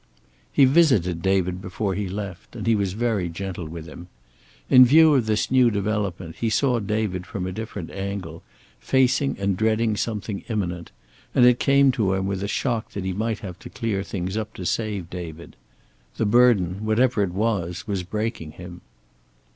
He visited David before he left, and he was very gentle with him. In view of this new development he saw David from a different angle, facing and dreading something imminent, and it came to him with a shock that he might have to clear things up to save David. The burden, whatever it was, was breaking him.